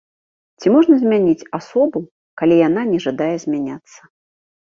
Ці можна змяніць асобу, калі яна не жадае змяняцца?